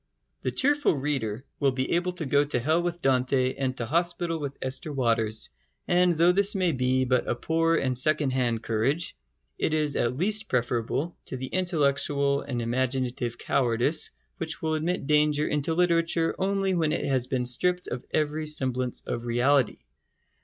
The cheerful reader will be able to go to hell with Dante and to hospital with Esther Waters; and though this may be but a poor and secondhand courage, it is at least preferable to the intellectual and imaginative cowardice which will admit danger into literature only when it has been stripped of every semblance of reality.